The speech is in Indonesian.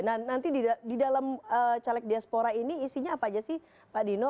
nah nanti di dalam caleg diaspora ini isinya apa aja sih pak dino